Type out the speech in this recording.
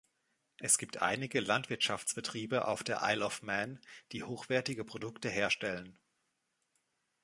Es gibt einige Landwirtschaftsbetriebe auf der Isle of Man, die hochwertige Produkte herstellen.